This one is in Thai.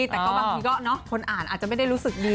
แต่ก็บางทีก็คนอ่านอาจจะไม่ได้รู้สึกดี